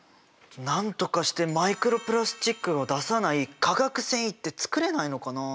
なんとかしてマイクロプラスチックを出さない化学繊維って作れないのかな？